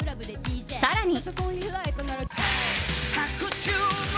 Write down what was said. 更に。